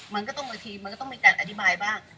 มันก็ต้องบางทีมันก็ต้องมีการอธิบายบ้าง